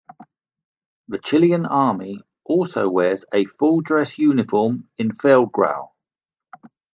The Chilean Army also wears a full dress uniform in feldgrau.